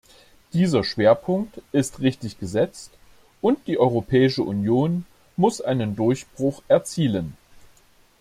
Dieser Schwerpunkt ist richtig gesetzt, und die Europäische Union muss einen Durchbruch erzielen.